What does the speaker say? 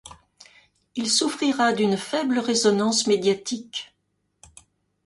Il souffrira d'une faible résonance médiatique.